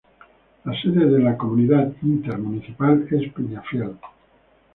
La sede de la comunidad intermunicipal es Penafiel.